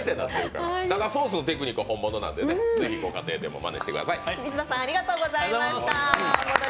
ソースのテクニックは本物なんでぜひ家庭でまねしてください。